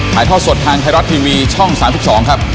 ถ่ายทอดสดทางไทยรัฐทีวีช่อง๓๒ครับ